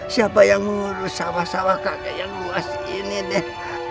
siapa yang ngurus sawah sawah kakek yang luas ini deh